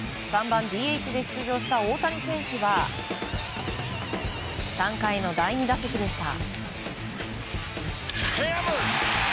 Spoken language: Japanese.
３番ＤＨで出場した大谷選手は３回の第２打席でした。